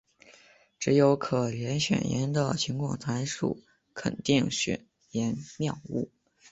只有可兼选言的情况才属肯定选言谬误。